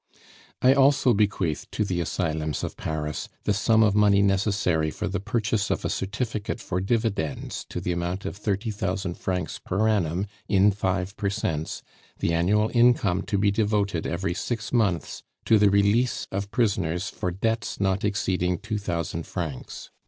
"I also bequeath to the Asylums of Paris the sum of money necessary for the purchase of a certificate for dividends to the amount of thirty thousand francs per annum in five per cents, the annual income to be devoted every six months to the release of prisoners for debts not exceeding two thousand francs.